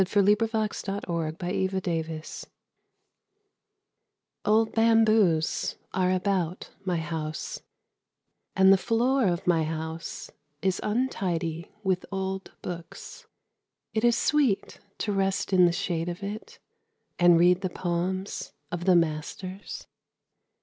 _ ANNAM THE BAMBOO GARDEN Old bamboos are about my house, And the floor of my house is untidy with old books. It is sweet to rest in the shade of it And read the poems of the masters.